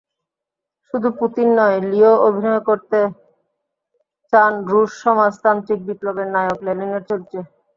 শুধু পুতিন নয়, লিও অভিনয় করতে চান রুশ সমাজতান্ত্রিক বিপ্লবের নায়ক লেনিনের চরিত্রে।